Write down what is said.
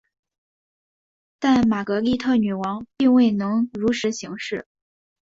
但玛格丽特女王并未能如实行事。